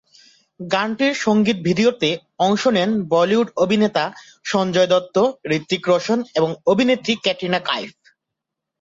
গানটির সংগীত ভিডিওতে অংশ নেন বলিউড অভিনেতা সঞ্জয় দত্ত, হৃতিক রোশন এবং অভিনেত্রী ক্যাটরিনা কাইফ।